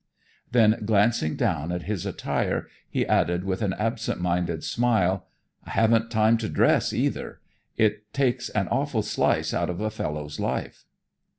Then, glancing down at his attire, he added with an absent minded smile, "I haven't time to dress either; it takes an awful slice out of a fellow's life."